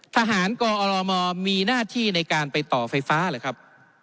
ทหารกอรมมีหน้าที่ในการไปต่อไฟฟ้าหรือครับ